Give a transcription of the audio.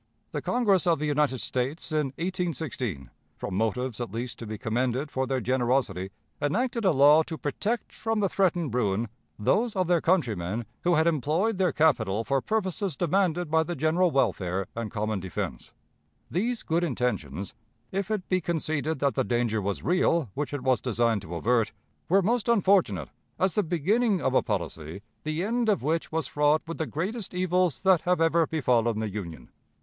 The Congress of the United States, in 1816, from motives at least to be commended for their generosity, enacted a law to protect from the threatened ruin those of their countrymen who had employed their capital for purposes demanded by the general welfare and common defense. These good intentions, if it be conceded that the danger was real which it was designed to avert, were most unfortunate as the beginning of a policy the end of which was fraught with the greatest evils that have ever befallen the Union.